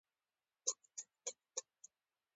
د پښتو زیات ژانرونه له عربي څخه راغلي دي.